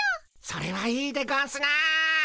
それはいいでゴンスな。